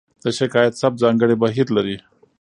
د شکایت ثبت ځانګړی بهیر لري.